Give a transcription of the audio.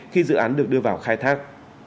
khi dự án được đưa vào khai thác